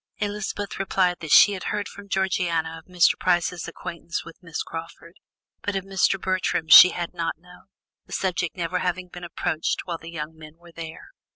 Elizabeth replied that she had heard from Georgiana of Mr. Price's acquaintance with Miss Crawford, but of Mr. Bertram's she had not known, the subject never having been approached while the young men were there.